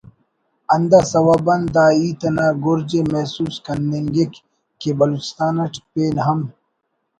ہندا سوب آن دا ہیت انا گرج ءِ محسوس کننگک کہ بلوچستان اٹ پین ہم